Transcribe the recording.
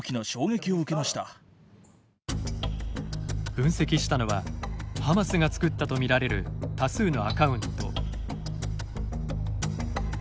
分析したのはハマスが作ったとみられる多数のアカウント。